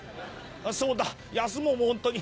そうだ休もうもうホントに」。